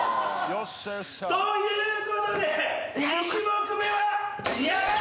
よし！ということで２種目めは。